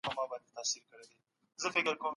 په ټولنه کي سياسي شخړې ولي رامنځته کېږي؟